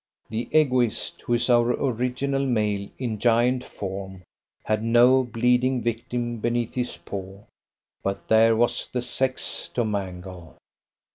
The Egoist, who is our original male in giant form, had no bleeding victim beneath his paw, but there was the sex to mangle.